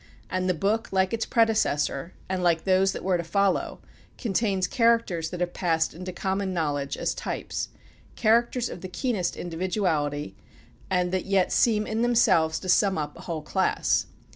And the book, like its predecessor, and like those that were to follow, contains characters that have passed into common knowledge as types, characters of the keenest individuality, and that yet seem in themselves to sum up a whole class.